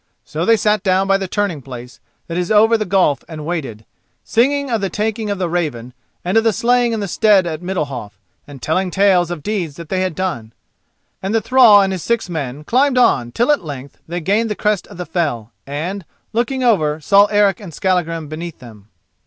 So they sat down by the turning place that is over the gulf and waited, singing of the taking of the Raven and of the slaying in the stead at Middalhof, and telling tales of deeds that they had done. And the thrall and his six men climbed on till at length they gained the crest of the fell, and, looking over, saw Eric and Skallagrim beneath them.